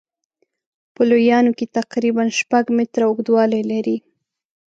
په لویانو کې تقریبا شپږ متره اوږدوالی لري.